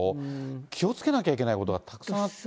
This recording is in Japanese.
気をつけなきゃいけないことがたくさんあって。